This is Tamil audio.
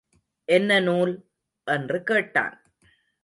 என்ன நூல்? என்று கேட்டான்.